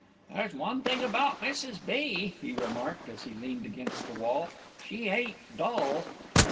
"There's one thing about Mrs. B.," he remarked, as he leaned against the wall, "she ain't dull."